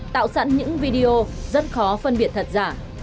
tạo sẵn những video rất khó phân biệt thật giả